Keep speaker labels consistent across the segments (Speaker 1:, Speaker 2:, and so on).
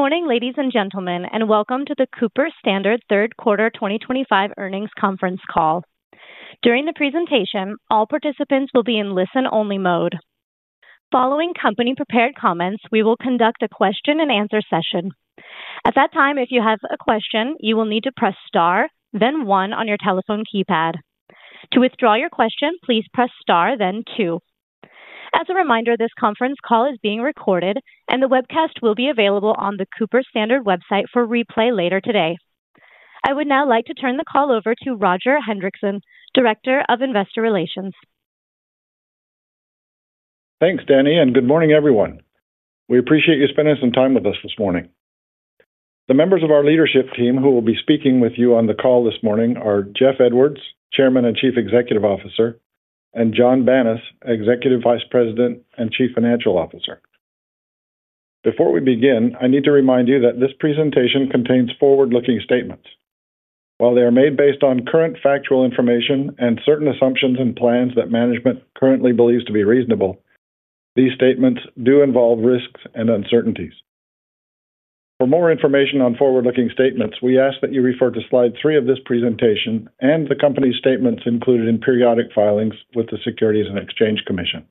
Speaker 1: Good morning, ladies and gentlemen, and welcome to the Cooper Standard Third Quarter 2025 Earnings Conference Call. During the presentation, all participants will be in listen-only mode. Following company-prepared comments, we will conduct a question-and-answer session. At that time, if you have a question, you will need to press star, then one on your telephone keypad. To withdraw your question, please press star, then two. As a reminder, this conference call is being recorded, and the webcast will be available on the Cooper Standard Holdings Inc. website for replay later today. I would now like to turn the call over to Roger Hendriksen, Director of Investor Relations.
Speaker 2: Thanks, Dani, and good morning, everyone. We appreciate you spending some time with us this morning. The members of our leadership team who will be speaking with you on the call this morning are Jeff Edwards, Chairman and Chief Executive Officer, and Jon Banas, Executive Vice President and Chief Financial Officer. Before we begin, I need to remind you that this presentation contains forward-looking statements. While they are made based on current factual information and certain assumptions and plans that management currently believes to be reasonable, these statements do involve risks and uncertainties. For more information on forward-looking statements, we ask that you refer to slide three of this presentation and the company's statements included in periodic filings with the Securities and Exchange Commission.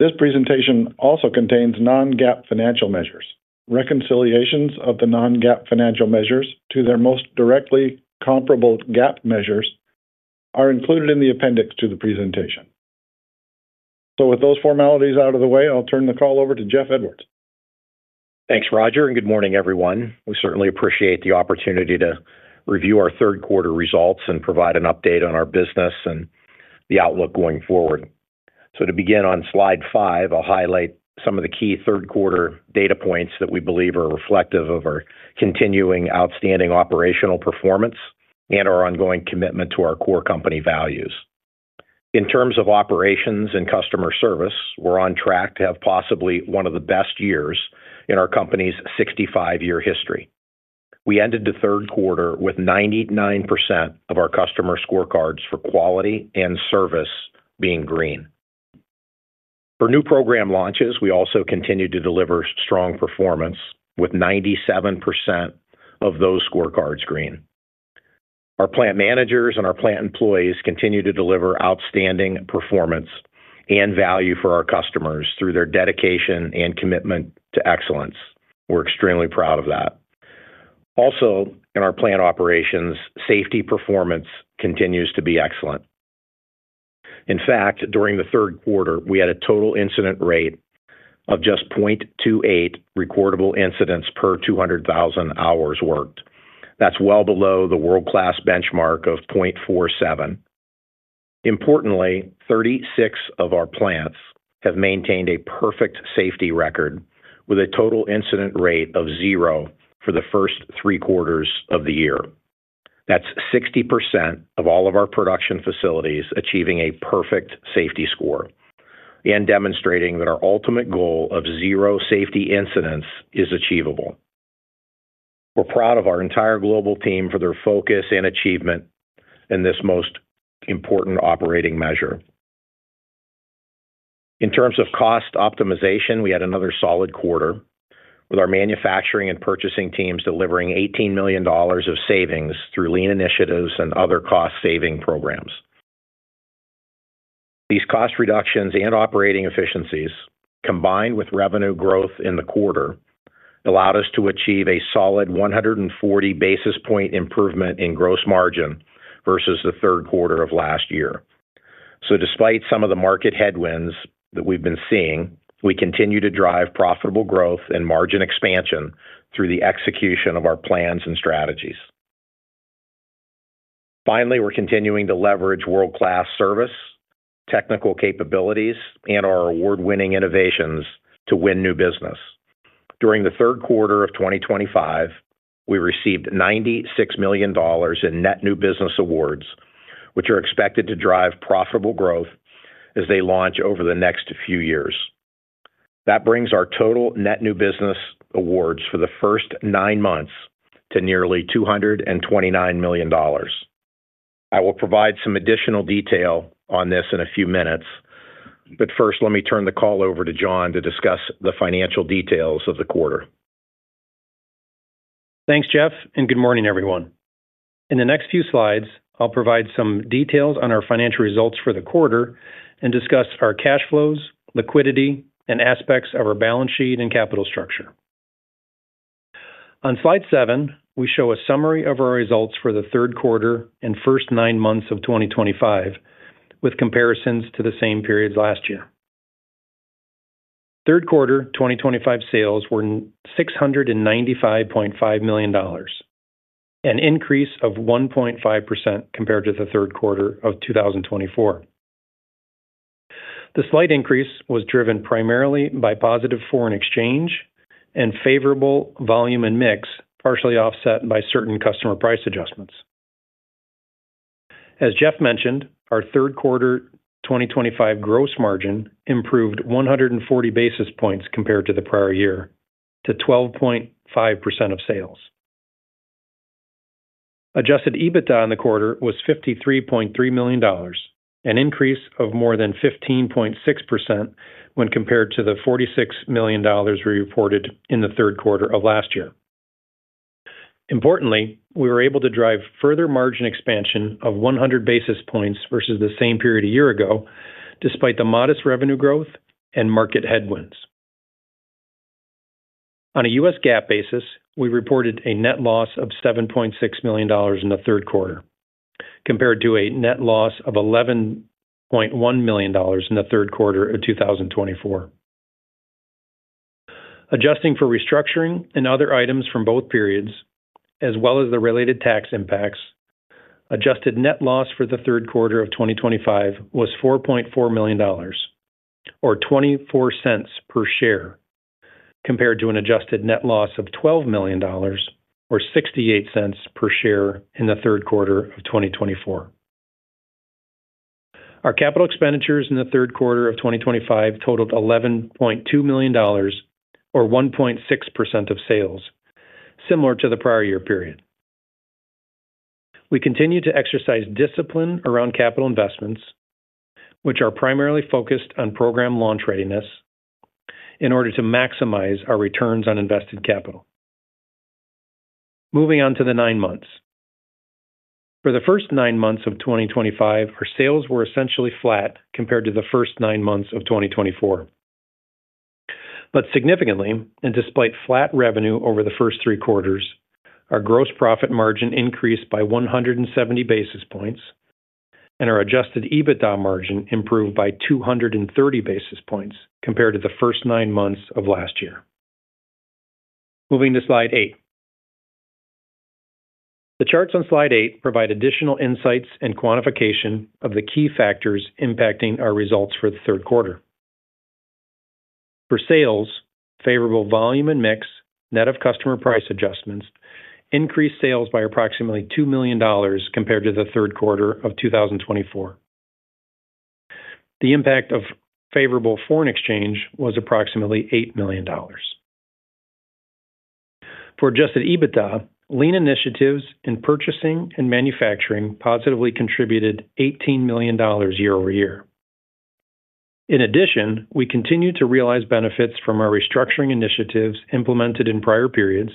Speaker 2: This presentation also contains non-GAAP financial measures. Reconciliations of the non-GAAP financial measures to their most directly comparable GAAP measures are included in the appendix to the presentation. With those formalities out of the way, I'll turn the call over to Jeff Edwards.
Speaker 3: Thanks, Roger, and good morning, everyone. We certainly appreciate the opportunity to review our third quarter results and provide an update on our business and the outlook going forward. To begin on slide five, I'll highlight some of the key third quarter data points that we believe are reflective of our continuing outstanding operational performance and our ongoing commitment to our core company values. In terms of operations and customer service, we're on track to have possibly one of the best years in our company's 65-year history. We ended the third quarter with 99% of our customer scorecards for quality and service being green. For new program launches, we also continue to deliver strong performance with 97% of those scorecards green. Our Plant Managers and our plant employees continue to deliver outstanding performance and value for our customers through their dedication and commitment to excellence. We're extremely proud of that. Also, in our plant operations, safety performance continues to be excellent. In fact, during the third quarter, we had a total incident rate of just 0.28 recordable incidents per 200,000 hours worked. That's well below the world-class benchmark of 0.47. Importantly, 36 of our plants have maintained a perfect safety record with a total incident rate of zero for the first three quarters of the year. That's 60% of all of our production facilities achieving a perfect safety score and demonstrating that our ultimate goal of zero safety incidents is achievable. We're proud of our entire global team for their focus and achievement in this most important operating measure. In terms of cost optimization, we had another solid quarter with our manufacturing and purchasing teams delivering $18 million of savings through lean initiatives and other cost-saving programs. These cost reductions and operating efficiencies, combined with revenue growth in the quarter, allowed us to achieve a solid 140 basis point improvement in gross margin versus the third quarter of last year. Despite some of the market headwinds that we've been seeing, we continue to drive profitable growth and margin expansion through the execution of our plans and strategies. Finally, we're continuing to leverage world-class service, technical capabilities, and our award-winning innovations to win new business. During the third quarter of 2025, we received $96 million in net new business awards, which are expected to drive profitable growth as they launch over the next few years. That brings our total net new business awards for the first nine months to nearly $229 million. I will provide some additional detail on this in a few minutes, but first, let me turn the call over to Jon to discuss the financial details of the quarter.
Speaker 4: Thanks, Jeff, and good morning, everyone. In the next few slides, I'll provide some details on our financial results for the quarter and discuss our cash flows, liquidity, and aspects of our balance sheet and capital structure. On slide seven, we show a summary of our results for the third quarter and first nine months of 2025 with comparisons to the same periods last year. Third quarter 2025 sales were $695.5 million, an increase of 1.5% compared to the third quarter of 2024. The slight increase was driven primarily by positive foreign exchange and favorable volume and mix, partially offset by certain customer price adjustments. As Jeff mentioned, our third quarter 2025 gross margin improved 140 basis points compared to the prior year to 12.5% of sales. Adjusted EBITDA in the quarter was $53.3 million, an increase of more than 15.6% when compared to the $46 million we reported in the third quarter of last year. Importantly, we were able to drive further margin expansion of 100 basis points versus the same period a year ago, despite the modest revenue growth and market headwinds. On a U.S. GAAP basis, we reported a net loss of $7.6 million in the third quarter compared to a net loss of $11.1 million in the third quarter of 2024. Adjusting for restructuring and other items from both periods, as well as the related tax impacts, adjusted net loss for the third quarter of 2025 was $4.4 million, or $0.24 per share, compared to an adjusted net loss of $12 million, or $0.68 per share in the third quarter of 2024. Our capital expenditures in the third quarter of 2025 totaled $11.2 million, or 1.6% of sales, similar to the prior year period. We continue to exercise discipline around capital investments, which are primarily focused on program launch readiness in order to maximize our returns on invested capital. Moving on to the nine months, for the first nine months of 2025, our sales were essentially flat compared to the first nine months of 2024. Significantly, and despite flat revenue over the first three quarters, our gross profit margin increased by 170 basis points and our Adjusted EBITDA margin improved by 230 basis points compared to the first nine months of last year. Moving to slide eight, the charts on slide eight provide additional insights and quantification of the key factors impacting our results for the third quarter. For sales, favorable volume and mix, net of customer price adjustments, increased sales by approximately $2 million compared to the third quarter of 2024. The impact of favorable foreign exchange was approximately $8 million. For Adjusted EBITDA, lean initiatives in purchasing and manufacturing positively contributed $18 million year-over-year. In addition, we continue to realize benefits from our restructuring initiatives implemented in prior periods,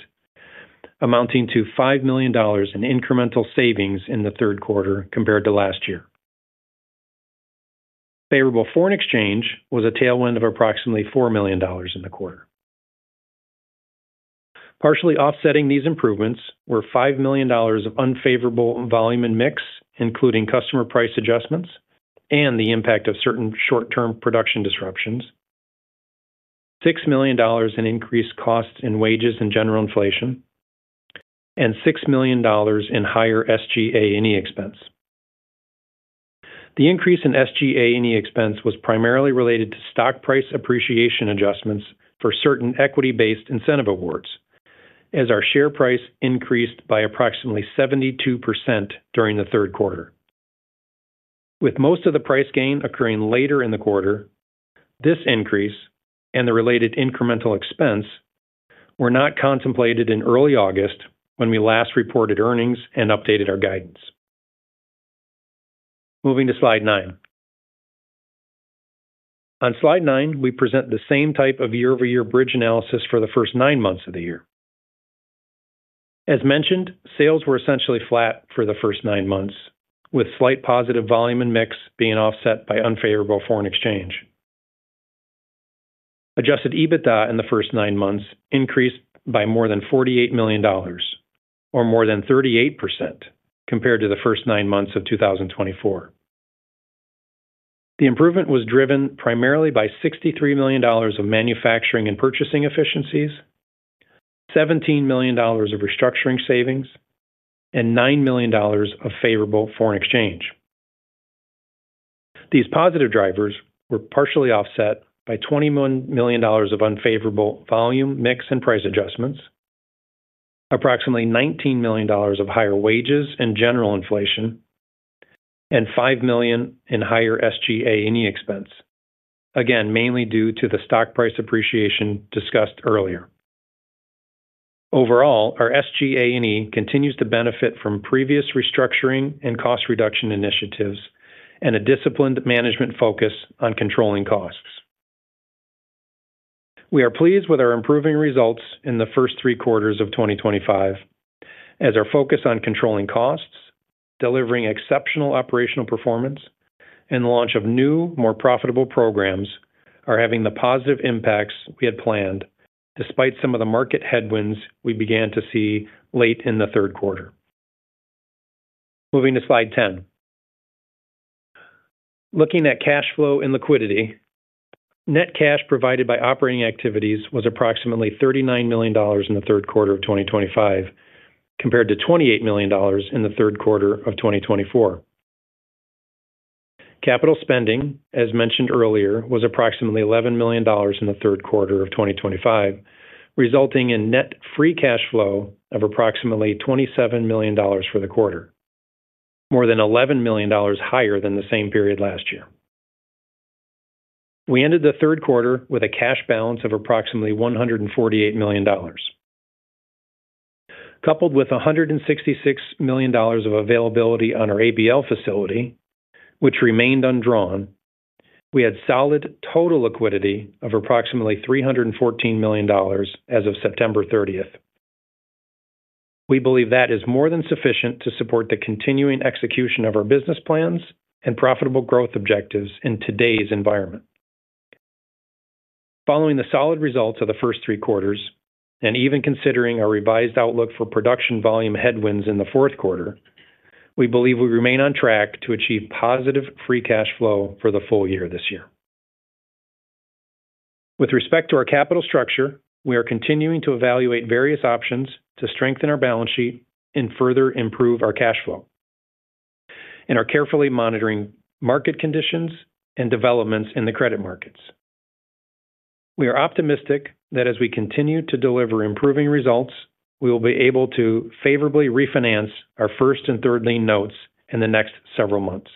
Speaker 4: amounting to $5 million in incremental savings in the third quarter compared to last year. Favorable foreign exchange was a tailwind of approximately $4 million in the quarter. Partially offsetting these improvements were $5 million of unfavorable volume and mix, including customer price adjustments and the impact of certain short-term production disruptions, $6 million in increased costs in wages and general inflation, and $6 million in higher SGA&E expense. The increase in SGA&E expense was primarily related to stock price appreciation adjustments for certain equity-based incentive awards, as our share price increased by approximately 72% during the third quarter. With most of the price gain occurring later in the quarter, this increase and the related incremental expense were not contemplated in early August when we last reported earnings and updated our guidance. Moving to slide nine. On slide nine, we present the same type of year-over-year bridge analysis for the first nine months of the year. As mentioned, sales were essentially flat for the first nine months, with slight positive volume and mix being offset by unfavorable foreign exchange. Adjusted EBITDA in the first nine months increased by more than $48 million, or more than 38%, compared to the first nine months of 2024. The improvement was driven primarily by $63 million of manufacturing and purchasing efficiencies, $17 million of restructuring savings, and $9 million of favorable foreign exchange. These positive drivers were partially offset by $20 million of unfavorable volume, mix, and price adjustments, approximately $19 million of higher wages and general inflation, and $5 million in higher SGA&E expense, again, mainly due to the stock price appreciation discussed earlier. Overall, our SGA&E continues to benefit from previous restructuring and cost reduction initiatives and a disciplined management focus on controlling costs. We are pleased with our improving results in the first three quarters of 2025. As our focus on controlling costs, delivering exceptional operational performance, and the launch of new, more profitable programs are having the positive impacts we had planned, despite some of the market headwinds we began to see late in the third quarter. Moving to slide ten. Looking at cash flow and liquidity, net cash provided by operating activities was approximately $39 million in the third quarter of 2025, compared to $28 million in the third quarter of 2024. Capital spending, as mentioned earlier, was approximately $11 million in the third quarter of 2025, resulting in net free cash flow of approximately $27 million for the quarter, more than $11 million higher than the same period last year. We ended the third quarter with a cash balance of approximately $148 million. Coupled with $166 million of availability on our ABL facility, which remained undrawn, we had solid total liquidity of approximately $314 million as of September 30th. We believe that is more than sufficient to support the continuing execution of our business plans and profitable growth objectives in today's environment. Following the solid results of the first three quarters, and even considering our revised outlook for production volume headwinds in the fourth quarter, we believe we remain on track to achieve positive free cash flow for the full year this year. With respect to our capital structure, we are continuing to evaluate various options to strengthen our balance sheet and further improve our cash flow. We are carefully monitoring market conditions and developments in the credit markets. We are optimistic that as we continue to deliver improving results, we will be able to favorably refinance our first and third-lien notes in the next several months.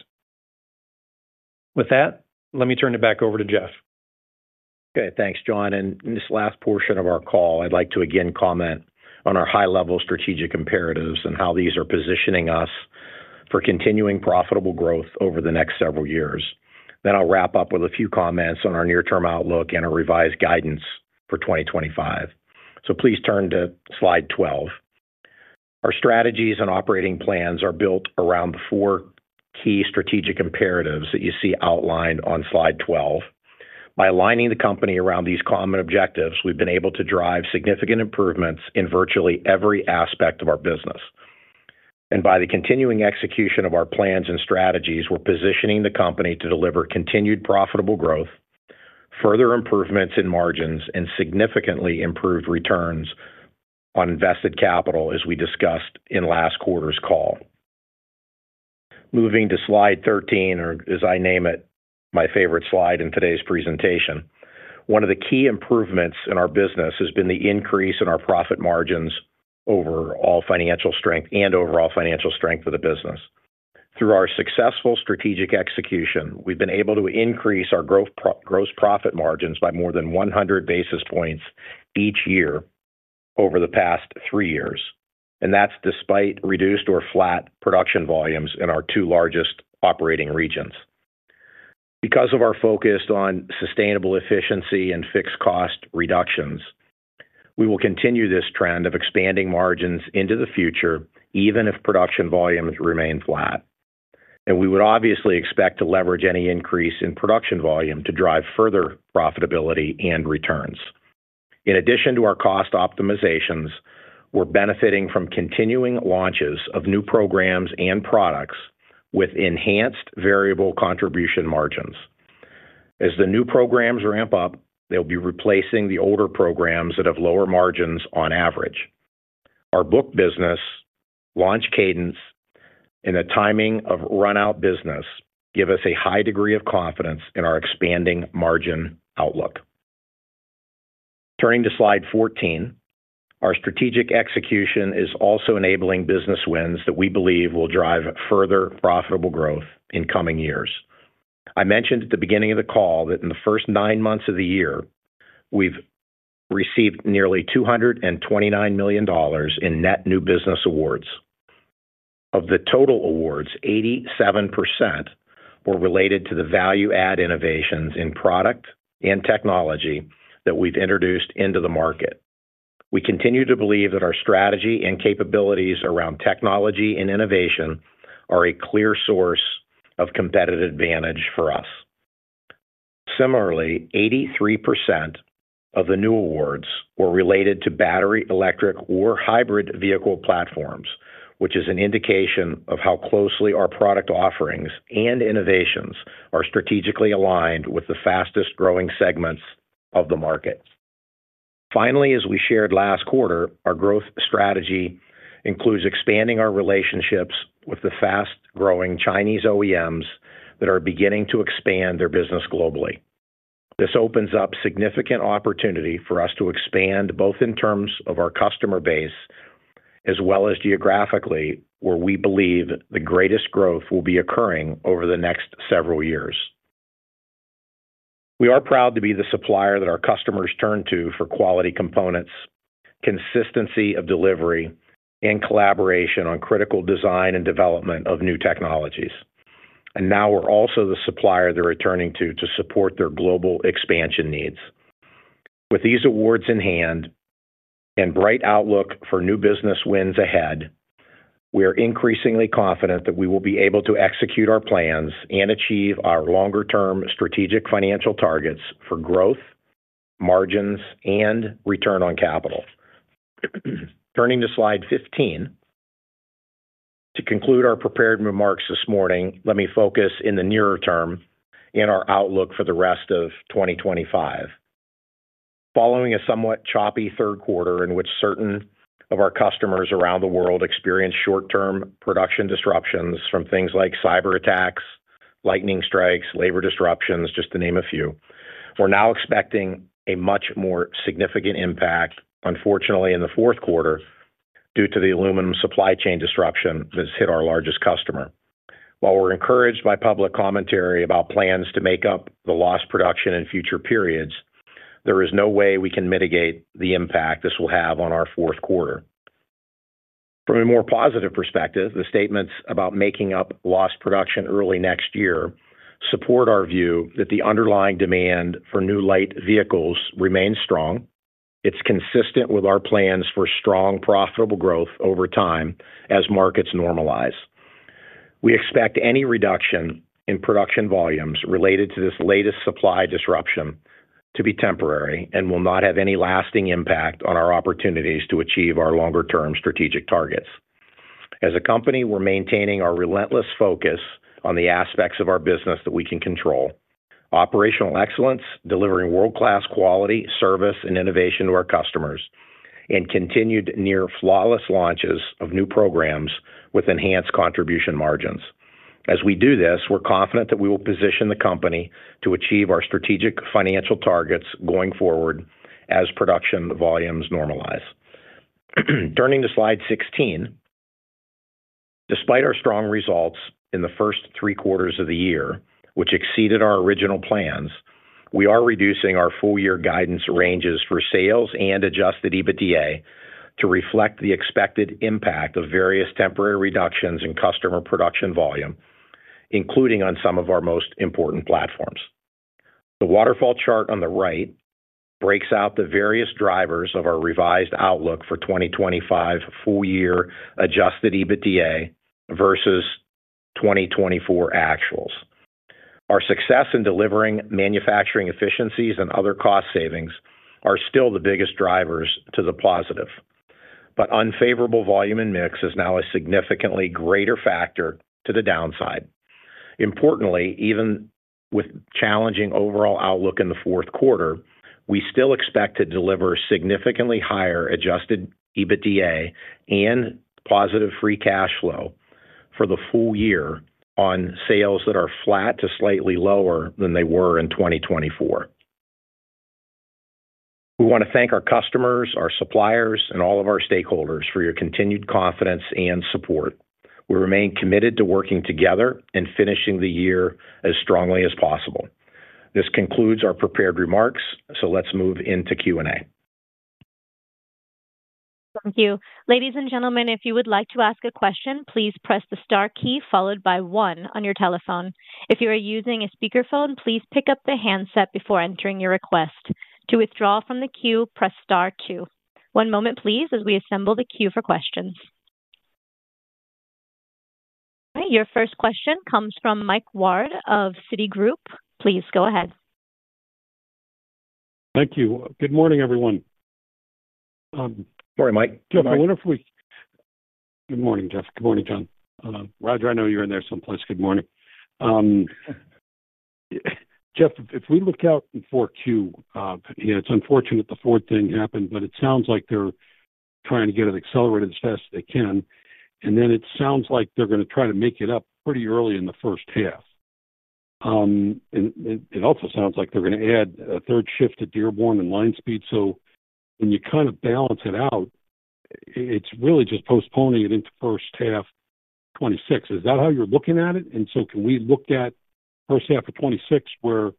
Speaker 4: With that, let me turn it back over to Jeff.
Speaker 3: Okay, thanks, Jon. In this last portion of our call, I'd like to again comment on our high-level strategic imperatives and how these are positioning us for continuing profitable growth over the next several years. I'll wrap up with a few comments on our near-term outlook and our revised guidance for 2025. Please turn to slide 12. Our strategies and operating plans are built around the four key strategic imperatives that you see outlined on slide 12. By aligning the company around these common objectives, we've been able to drive significant improvements in virtually every aspect of our business. By the continuing execution of our plans and strategies, we're positioning the company to deliver continued profitable growth, further improvements in margins, and significantly improved returns on invested capital, as we discussed in last quarter's call. Moving to slide 13, or as I name it, my favorite slide in today's presentation, one of the key improvements in our business has been the increase in our profit margins and overall financial strength of the business. Through our successful strategic execution, we've been able to increase our gross profit margins by more than 100 basis points each year over the past three years. That's despite reduced or flat production volumes in our two largest operating regions. Because of our focus on sustainable efficiency and fixed cost reductions, we will continue this trend of expanding margins into the future, even if production volumes remain flat. We would obviously expect to leverage any increase in production volume to drive further profitability and returns. In addition to our cost optimizations, we're benefiting from continuing launches of new programs and products with enhanced variable contribution margins. As the new programs ramp up, they'll be replacing the older programs that have lower margins on average. Our booked business, launch cadence, and the timing of run-out business give us a high degree of confidence in our expanding margin outlook. Turning to slide 14, our strategic execution is also enabling business wins that we believe will drive further profitable growth in coming years. I mentioned at the beginning of the call that in the first nine months of the year, we've received nearly $229 million in net new business awards. Of the total awards, 87% were related to the value-add innovations in product and technology that we've introduced into the market. We continue to believe that our strategy and capabilities around technology and innovation are a clear source of competitive advantage for us. Similarly, 83% of the new awards were related to battery, electric, or hybrid vehicle platforms, which is an indication of how closely our product offerings and innovations are strategically aligned with the fastest-growing segments of the market. Finally, as we shared last quarter, our growth strategy includes expanding our relationships with the fast-growing Chinese OEMs that are beginning to expand their business globally. This opens up significant opportunity for us to expand both in terms of our customer base as well as geographically, where we believe the greatest growth will be occurring over the next several years. We are proud to be the supplier that our customers turn to for quality components, consistency of delivery, and collaboration on critical design and development of new technologies. We are also the supplier they're returning to to support their global expansion needs. With these awards in hand and a bright outlook for new business wins ahead, we are increasingly confident that we will be able to execute our plans and achieve our longer-term strategic financial targets for growth, margins, and return on capital. Turning to slide 15. To conclude our prepared remarks this morning, let me focus in the nearer term and our outlook for the rest of 2025. Following a somewhat choppy third quarter in which certain of our customers around the world experienced short-term production disruptions from things like cyberattacks, lightning strikes, labor disruptions, just to name a few, we're now expecting a much more significant impact, unfortunately, in the fourth quarter due to the aluminum supply chain disruption that has hit our largest customer. While we're encouraged by public commentary about plans to make up the lost production in future periods, there is no way we can mitigate the impact this will have on our fourth quarter. From a more positive perspective, the statements about making up lost production early next year support our view that the underlying demand for new light vehicles remains strong. It's consistent with our plans for strong, profitable growth over time as markets normalize. We expect any reduction in production volumes related to this latest supply disruption to be temporary and will not have any lasting impact on our opportunities to achieve our longer-term strategic targets. As a company, we're maintaining our relentless focus on the aspects of our business that we can control: operational excellence, delivering world-class quality, service, and innovation to our customers, and continued near-flawless launches of new programs with enhanced contribution margins. As we do this, we're confident that we will position the company to achieve our strategic financial targets going forward as production volumes normalize. Turning to slide 16. Despite our strong results in the first three quarters of the year, which exceeded our original plans, we are reducing our full-year guidance ranges for sales and Adjusted EBITDA to reflect the expected impact of various temporary reductions in customer production volume, including on some of our most important platforms. The waterfall chart on the right breaks out the various drivers of our revised outlook for 2025 full-year Adjusted EBITDA versus 2024 actuals. Our success in delivering manufacturing efficiencies and other cost savings are still the biggest drivers to the positive. However, unfavorable volume and mix is now a significantly greater factor to the downside. Importantly, even with challenging overall outlook in the fourth quarter, we still expect to deliver significantly higher Adjusted EBITDA and positive free cash flow for the full year on sales that are flat to slightly lower than they were in 2024. We want to thank our customers, our suppliers, and all of our stakeholders for your continued confidence and support. We remain committed to working together and finishing the year as strongly as possible. This concludes our prepared remarks, so let's move into Q&A.
Speaker 1: Thank you. Ladies and gentlemen, if you would like to ask a question, please press the star key followed by one on your telephone. If you are using a speakerphone, please pick up the handset before entering your request. To withdraw from the queue, press star two. One moment, please, as we assemble the queue for questions. All right, your first question comes from Mike Ward of Citi. Please go ahead.
Speaker 5: Thank you. Good morning, everyone.
Speaker 4: Sorry, Mike.
Speaker 5: Good morning, Jeff. Good morning, Jon. Roger, I know you're in there someplace. Good morning. Jeff, if we look out for Q, it's unfortunate the fourth thing happened, but it sounds like they're trying to get it accelerated as fast as they can. It sounds like they're going to try to make it up pretty early in the first half. It also sounds like they're going to add a third shift to Dearborn and Line Speed. When you kind of balance it out, it's really just postponing it into first half 2026. Is that how you're looking at it? Can we look at first half of 2026 where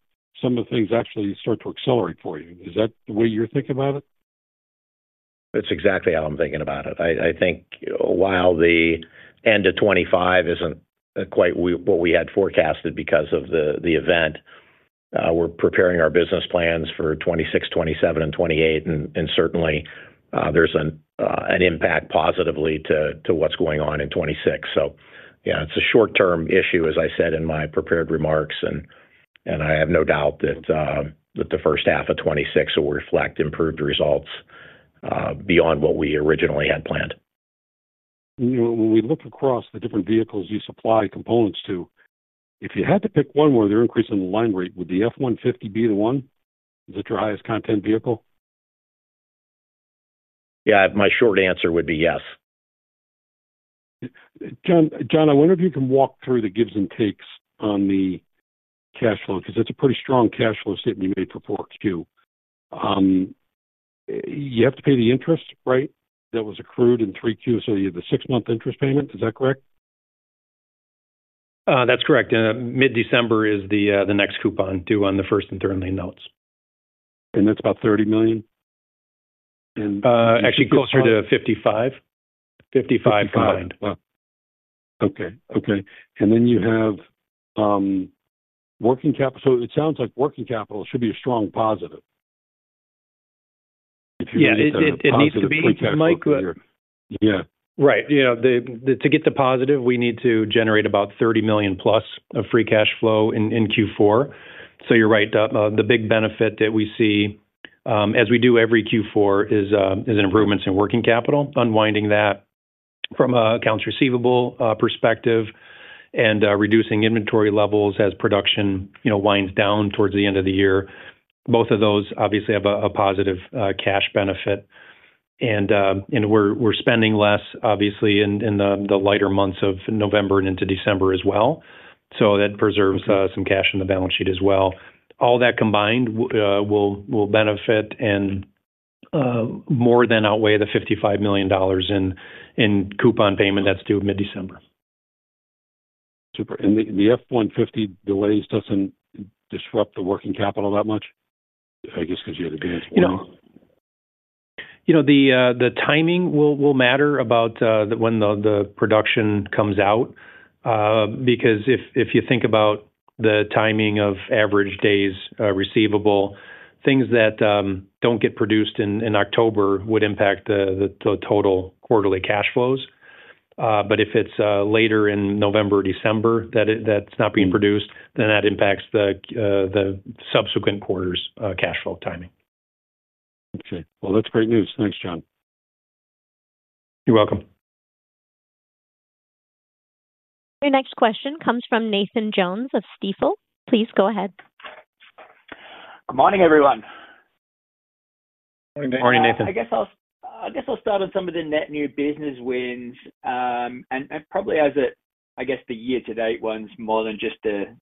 Speaker 5: some of the things actually start to accelerate for you? Is that the way you're thinking about it?
Speaker 3: That's exactly how I'm thinking about it. I think while the end of 2025 isn't quite what we had forecasted because of the event, we're preparing our business plans for 2026, 2027, and 2028. Certainly, there's an impact positively to what's going on in 2026. It's a short-term issue, as I said in my prepared remarks, and I have no doubt that the first half of 2026 will reflect improved results beyond what we originally had planned.
Speaker 5: When we look across the different vehicles you supply components to, if you had to pick one where they're increasing the line rate, would the Ford F-150 be the one? Is it your highest content vehicle?
Speaker 3: Yeah, my short answer would be yes.
Speaker 5: Jon, I wonder if you can walk through the gives and takes on the cash flow, because it's a pretty strong cash flow statement you made for fourth Q. You have to pay the interest, right, that was accrued in three Qs? You have the six-month interest payment. Is that correct?
Speaker 4: That's correct. Mid-December is the next coupon due on the first and third-lien notes.
Speaker 5: That's about $30 million?
Speaker 4: Actually, closer to $55 million.
Speaker 5: Okay. You have working capital. It sounds like working capital should be a strong positive.
Speaker 4: Yeah, it needs to be.
Speaker 5: Right.
Speaker 4: To get the positive, we need to generate about $30 million+ of free cash flow in Q4. You're right. The big benefit that we see, as we do every Q4, is an improvement in working capital, unwinding that from an accounts receivable perspective, and reducing inventory levels as production winds down towards the end of the year. Both of those, obviously, have a positive cash benefit. We're spending less, obviously, in the lighter months of November and into December as well. That preserves some cash in the balance sheet as well. All that combined will benefit and more than outweigh the $55 million in coupon payment that's due mid-December.
Speaker 5: Super. The F-150 delays doesn't disrupt the working capital that much? I guess because you had advanced.
Speaker 4: The timing will matter about when the production comes out. Because if you think about the timing of average days receivable, things that don't get produced in October would impact the total quarterly cash flows. If it's later in November or December that it's not being produced, then that impacts the subsequent quarter's cash flow timing.
Speaker 5: Okay. That's great news. Thanks, Jon.
Speaker 4: You're welcome.
Speaker 1: Our next question comes from Nathan Jones of Stifel. Please go ahead.
Speaker 6: Good morning, everyone.
Speaker 4: Morning, Nathan.
Speaker 3: I guess I'll start on some of the net new business wins. Probably, the year-to-date ones more than just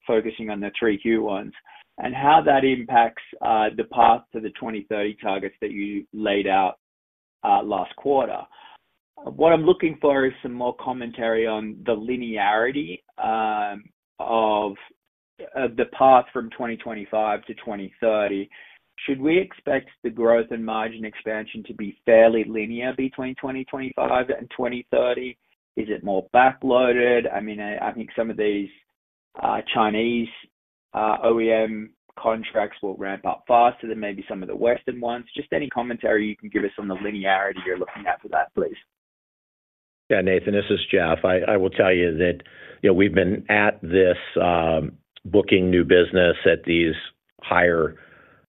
Speaker 3: focusing on the 3Q ones, and how that impacts the path to the 2030 targets that you laid out last quarter. What I'm looking for is some more commentary on the linearity of the path from 2025 to 2030. Should we expect the growth and margin expansion to be fairly linear between 2025 and 2030? Is it more backloaded? I mean, I think some of these Chinese OEM contracts will ramp up faster than maybe some of the Western ones. Just any commentary you can give us on the linearity you're looking at for that, please. Yeah, Nathan, this is Jeff. I will tell you that we've been at this, booking new business at these higher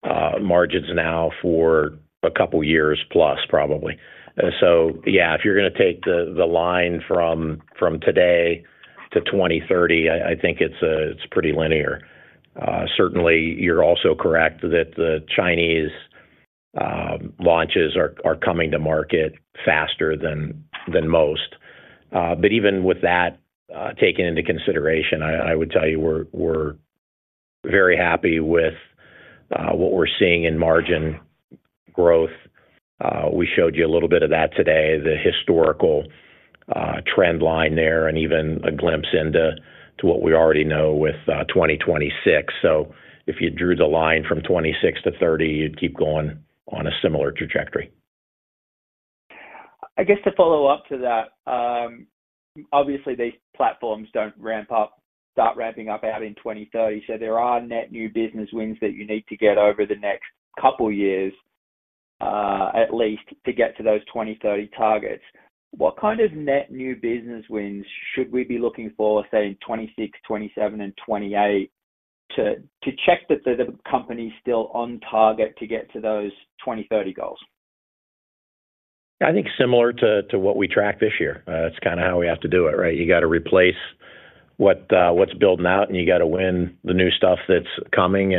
Speaker 3: margins now for a couple of years plus, probably. If you're going to take the line from today to 2030, I think it's pretty linear. Certainly, you're also correct that the Chinese launches are coming to market faster than most. Even with that taken into consideration, I would tell you we're very happy with what we're seeing in margin growth. We showed you a little bit of that today, the historical trend line there, and even a glimpse into what we already know with 2026. If you drew the line from 2026-2030, you'd keep going on a similar trajectory.
Speaker 6: I guess to follow up to that. Obviously, these platforms don't start ramping up out in 2030. There are net new business wins that you need to get over the next couple of years, at least, to get to those 2030 targets. What kind of net new business wins should we be looking for, say, in 2026, 2027, and 2028 to check that the company is still on target to get to those 2030 goals?
Speaker 3: I think similar to what we track this year. It's kind of how we have to do it, right? You got to replace what's building out, and you got to win the new stuff that's coming.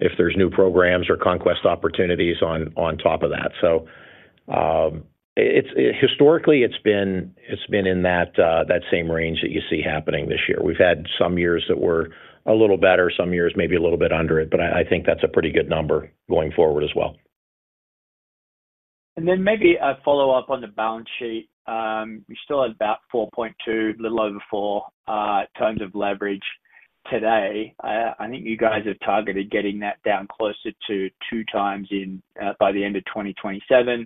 Speaker 3: If there's new programs or conquest opportunities on top of that, historically, it's been in that same range that you see happening this year. We've had some years that were a little better, some years maybe a little bit under it, but I think that's a pretty good number going forward as well.
Speaker 6: Maybe a follow-up on the balance sheet. We still have about 4.2x, a little over 4x of leverage today. I think you guys have targeted getting that down closer to 2x by the end of 2027.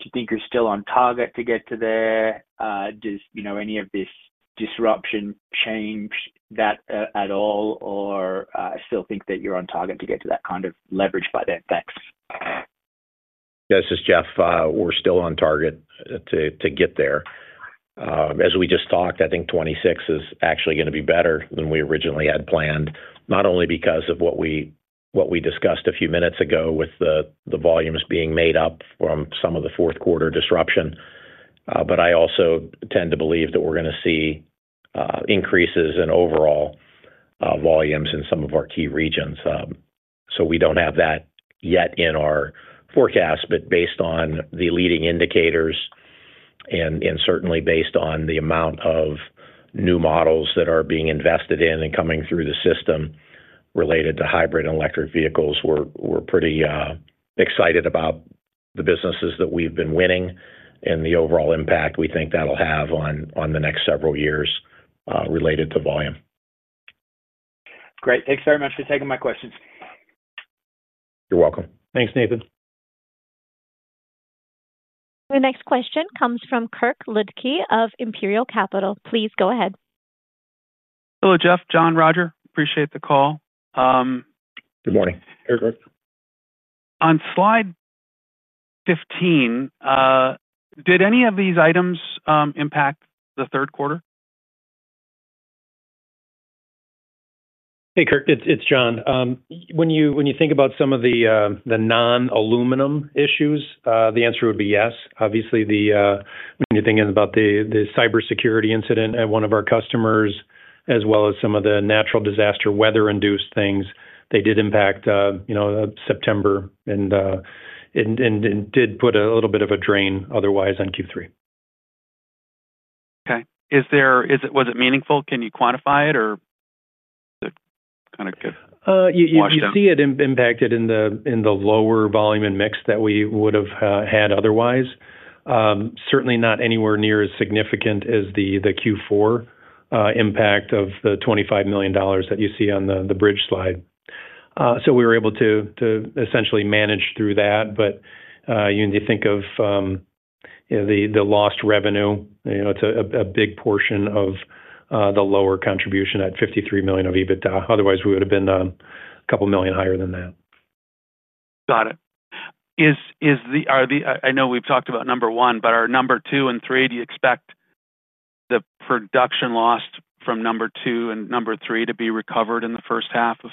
Speaker 6: Do you think you're still on target to get to there? Does any of this disruption change that at all, or I still think that you're on target to get to that kind of leverage by then? Thanks.
Speaker 3: Yeah, this is Jeff. We're still on target to get there. As we just talked, I think 2026 is actually going to be better than we originally had planned, not only because of what we discussed a few minutes ago with the volumes being made up from some of the fourth-quarter disruption, but I also tend to believe that we're going to see increases in overall volumes in some of our key regions. We don't have that yet in our forecast, but based on the leading indicators and certainly based on the amount of new models that are being invested in and coming through the system related to hybrid and electric vehicles, we're pretty excited about the businesses that we've been winning and the overall impact we think that'll have on the next several years related to volume.
Speaker 6: Great. Thanks very much for taking my questions.
Speaker 3: You're welcome.
Speaker 4: Thanks, Nathan.
Speaker 1: The next question comes from Kirk Ludtke of Imperial Capital. Please go ahead.
Speaker 7: Hello, Jeff, Jon, Roger. Appreciate the call.
Speaker 3: Good morning.
Speaker 4: Hey, Kirk.
Speaker 7: On slide 15, did any of these items impact the third quarter?
Speaker 4: Hey, Kirk. It's Jon. When you think about some of the non-aluminum issues, the answer would be yes. Obviously, when you're thinking about the cybersecurity incident at one of our customers, as well as some of the natural disaster weather-induced things, they did impact September and did put a little bit of a drain otherwise on Q3.
Speaker 7: Okay. Was it meaningful? Can you quantify it, or is it kind of good?
Speaker 4: You see it impacted in the lower volume and mix that we would have had otherwise. Certainly not anywhere near as significant as the Q4 impact of the $25 million that you see on the bridge slide. We were able to essentially manage through that, but you need to think of the lost revenue. It's a big portion of the lower contribution at $53 million of EBITDA. Otherwise, we would have been a couple of million higher than that.
Speaker 7: Got it. I know we've talked about number one, but are number two and three, do you expect the production lost from number two and number three to be recovered in the first half of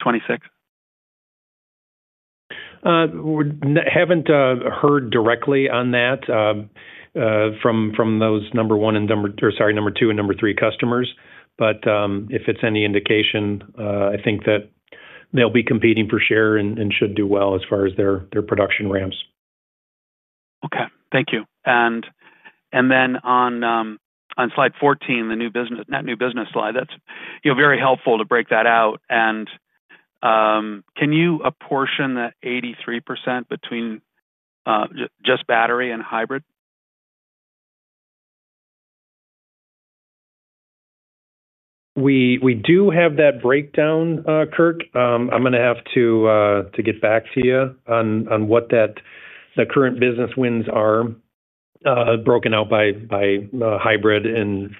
Speaker 7: 2026?
Speaker 4: We haven't heard directly on that from those number one, number two, and number three customers. If it's any indication, I think that they'll be competing for share and should do well as far as their production ramps.
Speaker 7: Okay. Thank you. On slide 14, the new business, not new business slide, that's very helpful to break that out. Can you apportion that 83% between just battery and hybrid?
Speaker 4: We do have that breakdown, Kirk. I'm going to have to get back to you on what the current business wins are, broken out by hybrid and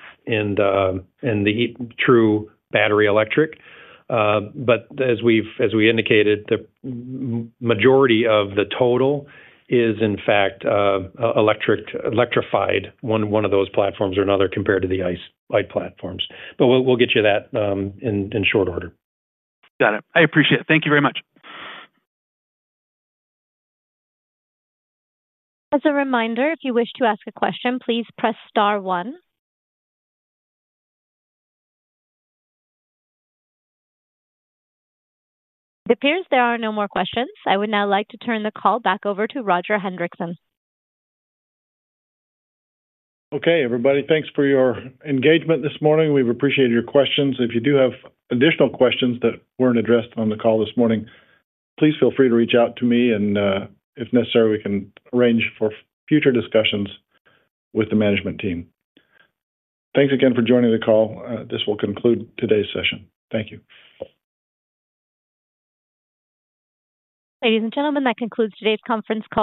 Speaker 4: the true battery electric. As we indicated, the majority of the total is, in fact, electrified, one of those platforms or another compared to the ICE flight platforms. We'll get you that in short order.
Speaker 7: Got it. I appreciate it. Thank you very much.
Speaker 1: As a reminder, if you wish to ask a question, please press star one. It appears there are no more questions. I would now like to turn the call back over to Roger Hendriksen.
Speaker 2: Okay, everybody. Thanks for your engagement this morning. We've appreciated your questions. If you do have additional questions that weren't addressed on the call this morning, please feel free to reach out to me. If necessary, we can arrange for future discussions with the management team. Thanks again for joining the call. This will conclude today's session. Thank you.
Speaker 1: Ladies and gentlemen, that concludes today's conference.